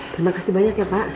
terima kasih banyak ya pak